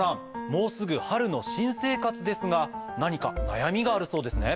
もうすぐ春の新生活ですが何か悩みがあるそうですね。